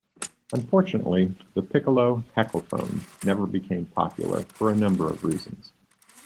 Unfortunately, the piccolo heckelphone never became popular, for a number of reasons.